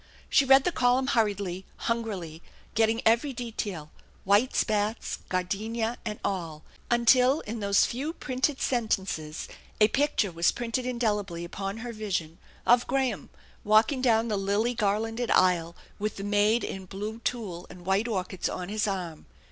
She read the column hurriedly, hungrily, getting every detail, white spats, gardenia, and all fc until in those few printed sentences a picture was printed indelibly upon her vision, of Graham walking down the lily garlanded aisle with the maid in blue tulle and white orchids on his arm.